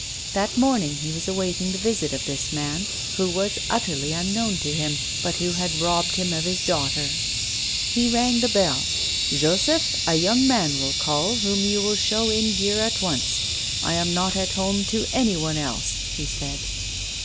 That morning he was awaiting the visit of this man, who was utterly unknown to him, but who had robbed him of his daugh ter. He rang the bell. "Joseph, a young man will call, whom you will show in here at once. I am not at home to any one else," he said.